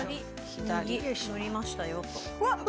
左右乗りましたよと。